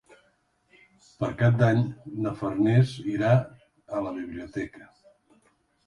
Per Cap d'Any na Farners irà a la biblioteca.